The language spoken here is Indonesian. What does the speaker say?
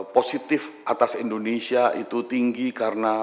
positif atas indonesia itu tinggi karena